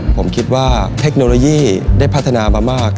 ผมคิดว่าเทคโนโลยีได้พัฒนามามาก